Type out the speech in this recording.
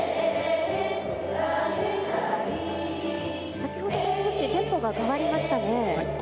先ほどと少しテンポが変わりましたね。